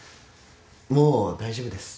もう大丈夫です。